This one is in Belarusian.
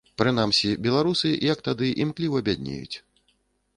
Прынамсі, беларусы, як тады, імкліва бяднеюць.